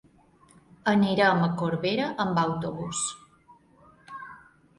Anirem a Corbera amb autobús.